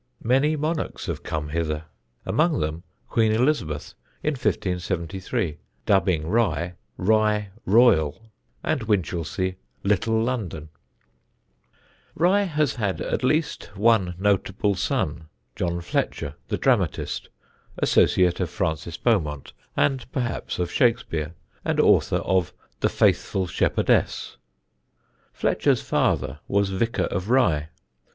Many monarchs have come hither, among them Queen Elizabeth, in 1573, dubbing Rye "Rye Royal" and Winchelsea "Little London." [Sidenote: THE THREE JEAKES] Rye has had at least one notable son, John Fletcher the dramatist, associate of Francis Beaumont and perhaps of Shakespeare, and author of "The Faithful Shepherdess." Fletcher's father was vicar of Rye.